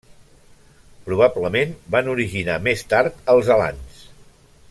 Probablement van originar més tard els alans.